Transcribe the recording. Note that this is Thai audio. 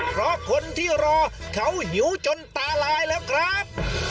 เพราะคนที่รอเขาหิวจนตาลายแล้วครับ